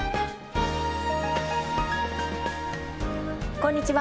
こんにちは。